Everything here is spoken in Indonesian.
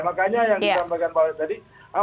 makanya yang disampaikan pak alex tadi